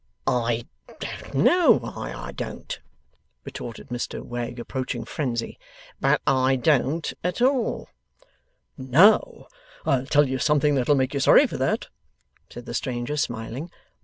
'I don't know why I don't,' retorted Mr Wegg, approaching frenzy, 'but I don't at all.' 'Now, I'll tell you something that'll make you sorry for that,' said the stranger, smiling.